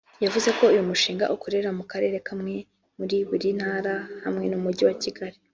yavuze ko uyu mushinga ukorera mu Karere kamwe muri buri Ntara hamwe n’umujyi wa Kigali